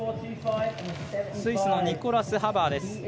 スイスのニコラス・ハバーです。